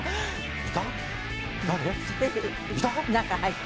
いた？